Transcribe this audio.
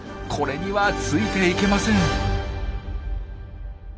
これにはついていけません。